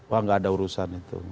wah nggak ada urusan itu